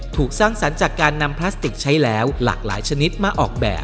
สร้างสรรค์จากการนำพลาสติกใช้แล้วหลากหลายชนิดมาออกแบบ